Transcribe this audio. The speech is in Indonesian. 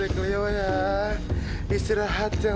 oh enggak yang ini sama sekali